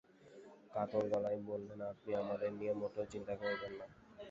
কাতর গলায় বললেন, আপনি আমাদের নিয়ে মোটেও চিন্তা করবেন না।